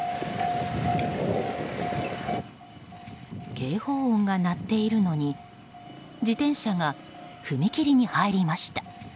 警報音が鳴っているのに自転車が踏切に入りました。